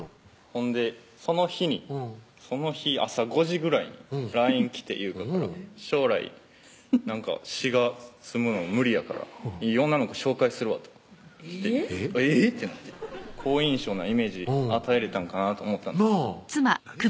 ほんでその日にその日朝５時ぐらいにＬＩＮＥ来て優香から「将来滋賀住むの無理やからいい女の子紹介するわ」と来てえぇ⁉ってなって好印象なイメージ与えれたんかなと思ったんですけど何？